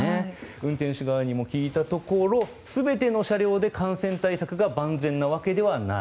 運転手側にも聞いたところ全ての車両で感染対策が万全なわけではない。